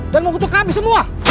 dan mengutuk kami semua